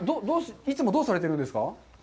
いつもどうされているんですか？